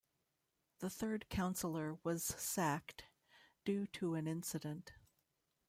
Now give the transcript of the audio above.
The third councillor was sacked due to an incident.